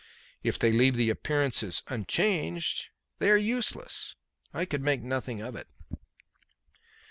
If they leave the appearances unchanged they are useless. I could make nothing of it.